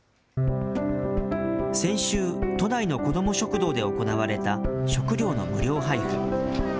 先週、都内の子ども食堂で行われた食料の無料配布。